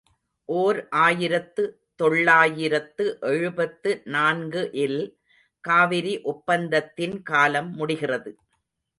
ஓர் ஆயிரத்து தொள்ளாயிரத்து எழுபத்து நான்கு இல் காவிரி ஒப்பந்தத்தின் காலம் முடிகிறது.